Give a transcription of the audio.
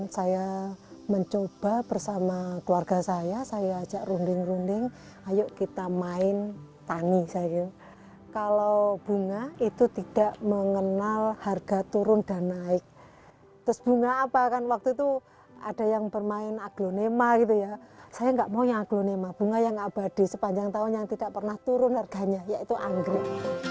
sebagai sepadan tahun yang tidak pernah turun harganya yaitu anggrek